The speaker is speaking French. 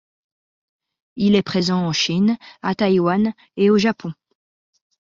Il est présent en Chine, à Taïwan et au Japon.